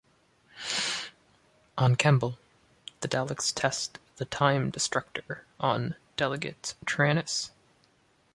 On Kembel, the Daleks test the Time Destructor on delegate Trantis.